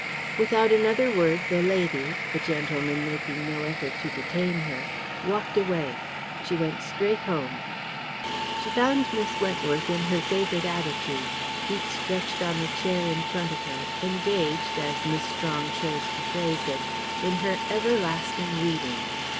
Without another word the lady, the gentleman making no effort to detain her, walked away. She went straight home. She found Miss Wentworth in her favourite attitude feet stretched on a chair in front of her engaged, as Miss Strong chose to phrase it, in "her everlasting reading."